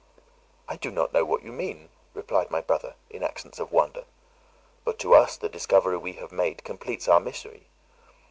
"I do not know what you mean," replied my brother, in accents of wonder, "but to us the discovery we have made completes our misery.